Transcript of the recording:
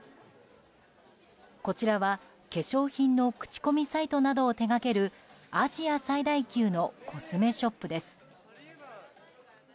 こちらは、化粧品の口コミサイトなどを手掛けるアジア最大級のコスメショップです。